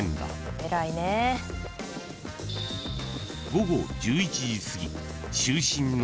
［午後１１時すぎ］